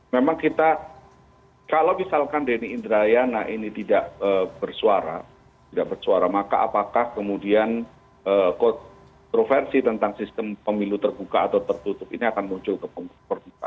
memang kita kalau misalkan denny indrayana ini tidak bersuara tidak bersuara maka apakah kemudian kontroversi tentang sistem pemilu terbuka atau tertutup ini akan muncul ke permukaan